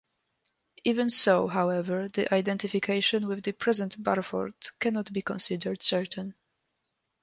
Even so, however, the identification with the present Barford cannot be considered certain.